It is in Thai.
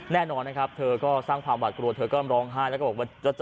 แน่นอนนะครับเธอก็สร้างความหวาดกลัวเธอก็ร้องไห้แล้วก็บอกว่า